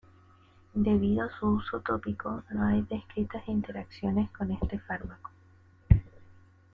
Debido a su uso tópico no hay descritas interacciones con este fármaco.